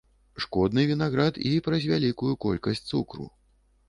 Шкодны вінаград і праз вялікую колькасць цукру.